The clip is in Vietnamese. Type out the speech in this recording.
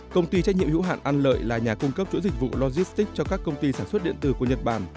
công ty trách nhiệm hữu hạn an lợi là nhà cung cấp chủ dịch vụ logistics cho các công ty sản xuất điện tử của nhật bản